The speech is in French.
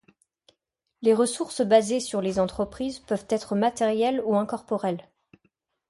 Les ressources basées sur les entreprises peuvent être matérielles ou incorporelles.